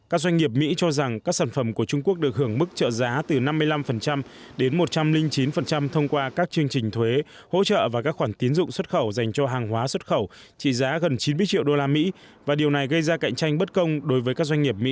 các doanh nghiệp mỹ cho rằng các sản phẩm của trung quốc được hưởng mức trợ giá từ năm mươi năm đến một trăm linh chín thông qua các chương trình thuế hỗ trợ và các khoản tiến dụng xuất khẩu dành cho hàng hóa xuất khẩu trị giá gần chín mươi triệu đô la mỹ và điều này gây ra cạnh tranh bất công đối với các doanh nghiệp mỹ